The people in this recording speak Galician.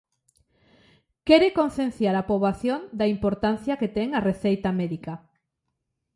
Quere concienciar a poboación da importancia que ten a receita médica.